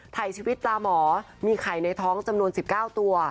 ถ่ายชีวิตตาหมอมีไข่ในท้องจำนวน๑๙ตัว